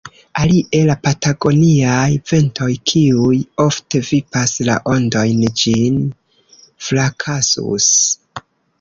Alie la patagoniaj ventoj, kiuj ofte vipas la ondojn, ĝin frakasus.